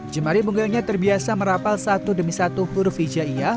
jemari mungilnya terbiasa merapal satu demi satu huruf hijaiyah